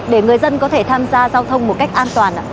để người dân có thể tham gia giao thông một cách an toàn ạ